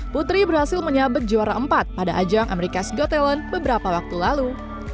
putri berhasil menyabet juara empat pada ajang amerika's got talent beberapa waktu lalu